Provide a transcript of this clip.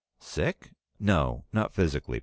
"Sick? No. Not physically.